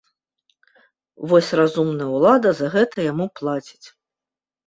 Вось разумная ўлада за гэта яму плаціць!